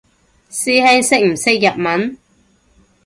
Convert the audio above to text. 師兄識唔識日文？